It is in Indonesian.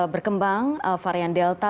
berkembang varian delta